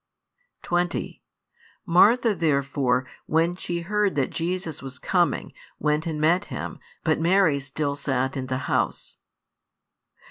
20 Martha therefore, when she heard that Jesus was coming, went and met Him; but Mary still sat in the house.